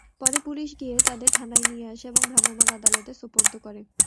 পরে পুলিশ গিয়ে তাঁদের থানায় নিয়ে আসে এবং ভ্রাম্যমাণ আদালতে সোপর্দ করে।